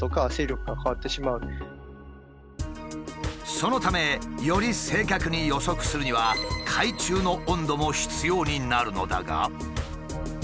そのためより正確に予測するには海中の温度も必要になるのだが。